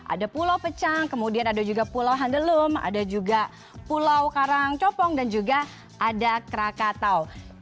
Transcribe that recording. ada pulau pecang kemudian ada juga pulau handelum ada juga pulau karangcopong dan juga ada krakatau